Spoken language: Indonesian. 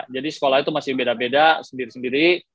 jadi sekolah itu masih beda beda sendiri sendiri